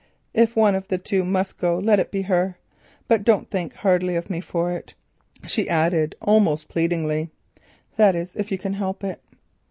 If one of the two must go, let it be the woman. But don't think hardly of me for it," she added almost pleadingly, "that is if you can help it."